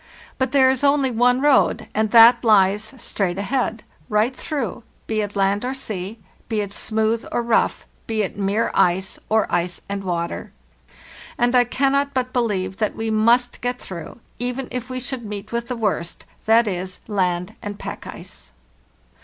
But there is only one road, and that lies straight ahead, right through, be it land or sea, be it smooth or rough, be it mere ice or ice and water. And I cannot but believe: that we must get through, even if we should meet with the worst—viz., land and pack ice.